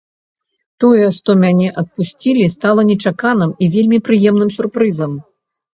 Тое, што мяне адпусцілі, стала нечаканым і вельмі прыемным сюрпрызам.